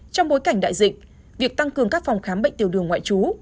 trong bối cảnh đại dịch việc tăng cường các phòng khám bệnh tiểu đường ngoại trú